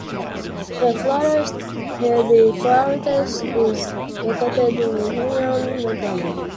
The forest headquarters is located in Hamilton, Montana.